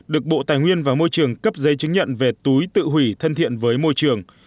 được bộ tài nguyên và môi trường cấp giấy chứng nhận về túi tự hủy thân thiện với môi trường